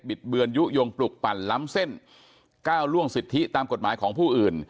เบือนยุโยงปลุกปั่นล้ำเส้นก้าวล่วงสิทธิตามกฎหมายของผู้อื่น